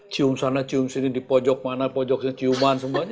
cium sana cium sini di pojok mana pojok sini ciuman semuanya